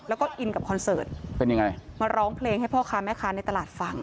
แล้วก็อินกับคอนเสิร์ตเป็นยังไงมาร้องเพลงให้พ่อค้าแม่ค้าในตลาดฟัง